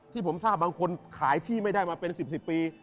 ที่ผมทราบบางคนขายที่ไม่ได้มาเป็น๑๐ปี